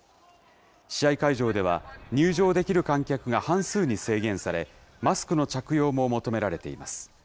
試合会場では、入場できる観客が半数に制限され、マスクの着用も求められています。